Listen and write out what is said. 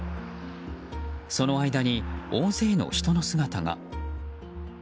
その間に大勢の人の姿が。